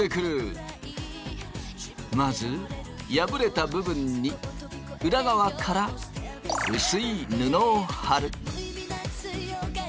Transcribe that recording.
まず破れた部分に裏側から薄い布を貼る。